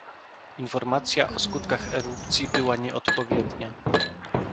Informacja o skutkach erupcji była nieodpowiednia